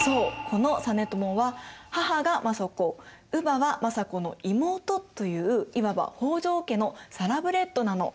この実朝は母が政子乳母は政子の妹といういわば北条家のサラブレッドなの。